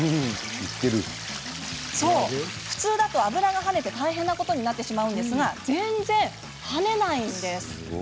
普通だと油が跳ねて大変なことになるんですが全然、跳ねないんです。